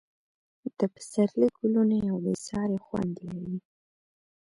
د پسرلي ګلونه یو بې ساری خوند لري.